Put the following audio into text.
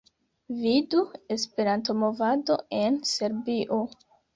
Vidu: "Esperanto-movado en Serbio"